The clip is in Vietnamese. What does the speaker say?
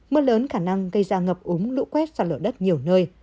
mưa lớn khả năng gây ra ngập úng lũ quét sạt lở đất nhiều nơi